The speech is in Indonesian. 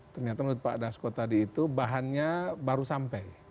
ternyata menurut pak dasko tadi itu bahannya baru sampai